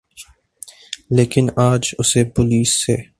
لیکن اج اسے پولیس سے